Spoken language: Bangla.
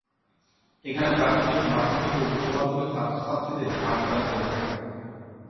এখানে প্রাথমিক, মাধ্যমিক ও উচ্চমাধ্যমিক ছাত্র-ছাত্রীদের পাঠদান করে থাকে।